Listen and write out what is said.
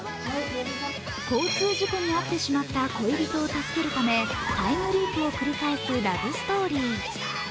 交通事故に遭ってしまった恋人を助けるためタイムリープを繰り返すラブストーリー。